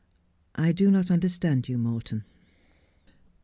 I DO NOT UNDERSTAND TOTJ, MORTON.'